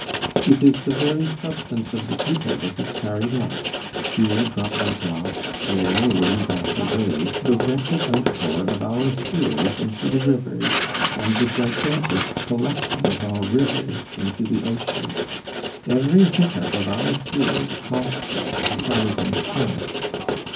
It is the very substance of the people that is carried off, here drop by drop, there wave after wave, the wretched outpour of our sewers into the rivers, and the gigantic collection of our rivers into the ocean. Every hiccough of our sewers costs us a thousand francs.